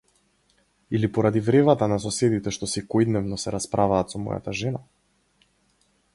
Или поради вревата на соседите што секојдневно се расправаат со мојата жена?